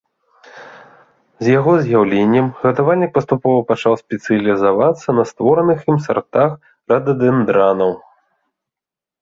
З яго з'яўленнем гадавальнік паступова пачаў спецыялізавацца на створаных ім сартах рададэндранаў.